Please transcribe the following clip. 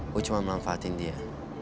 gua cuma manfaatin dia